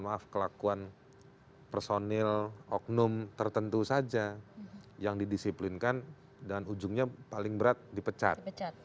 maaf kelakuan personil oknum tertentu saja yang didisiplinkan dan ujungnya paling berat dipecat